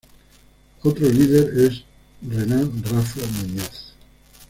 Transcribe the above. Otro líder es Renán Raffo Muñoz.